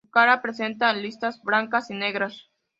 Su cara presenta listas blancas y negras.